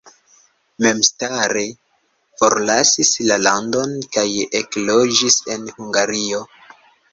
Memstare forlasis la landon kaj ekloĝis en Hungario.